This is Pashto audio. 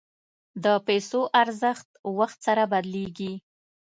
د پیسو ارزښت وخت سره بدلېږي.